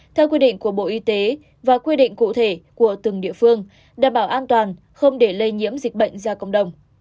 theo quy định của bộ y tế và quy định cụ thể của từng địa phương đảm bảo an toàn không để lây nhiễm dịch bệnh ra cộng đồng